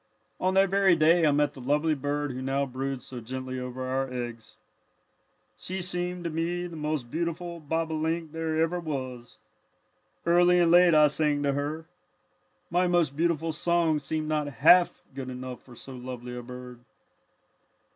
"On that very day I met the lovely bird who now broods so gently over our eggs. "She seemed to me the most beautiful bobolink that ever was. Early and late I sang to her. My most beautiful songs seemed not half good enough for so lovely a bird.